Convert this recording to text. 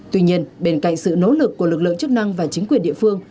tuy nhiên bên cạnh sự nỗ lực của lực lượng chức năng và chính quyền địa phương